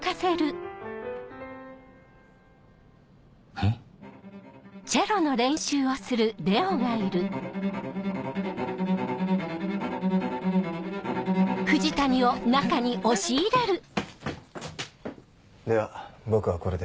えっ⁉では僕はこれで。